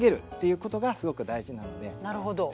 なるほど。